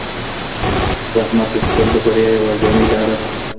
زحمت ایستل د بریا یوازینۍ لاره ده.